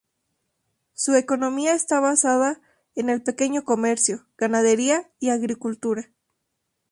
Su economía está basada en el pequeño comercio, ganadería y agricultura.